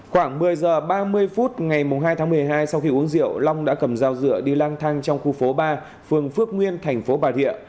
khoảng một mươi h ba mươi phút ngày hai tháng một mươi hai sau khi uống rượu long đã cầm dao dựa đi lang thang trong khu phố ba phường phước nguyên thành phố bà rịa